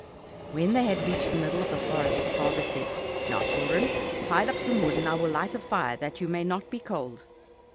When they had reached the middle of the forest, the father said, "Now, children, pile up some wood, and I will light a fire that you may not be cold."